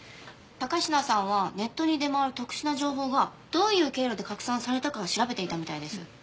高階さんはネットに出回る特殊な情報がどういう経路で拡散されたか調べていたみたいです。